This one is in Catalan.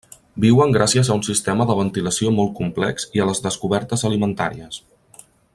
Viuen gràcies a un sistema de ventilació molt complex i a les descobertes alimentàries.